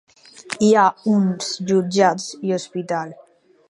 Hi ha uns jutjats i hospital.